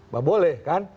bapak boleh kan